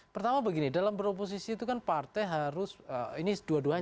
pertama begini dalam beroposisi itu kan partai harus ini dua duanya